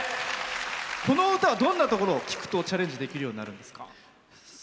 この歌は、どんなところを聴くとチャレンジできるようになるんですか？